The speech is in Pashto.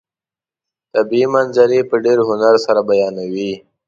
طبیعي منظرې په ډېر هنر سره بیانوي.